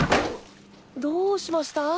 どうしました？